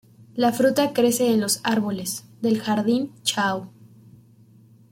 La fruta crece en los árboles del jardín Chao.